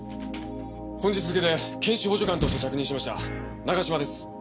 本日付けで検視補助官として着任しました永嶋です。